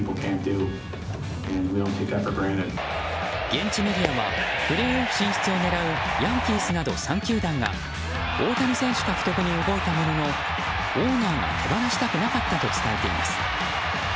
現地メディアはプレーオフ進出を狙うヤンキースなど３球団が大谷選手獲得に動いたもののオーナーが手放したくなかったと伝えています。